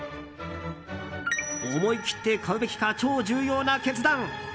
思い切って買うべきか超重要な決断。